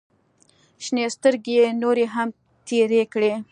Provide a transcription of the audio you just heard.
شنې سترګې يې نورې هم تېرې کړې.